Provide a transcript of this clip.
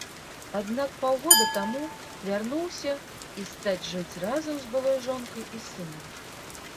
Аднак паўгода таму вярнуўся і стаць жыць разам з былой жонкай і сынам.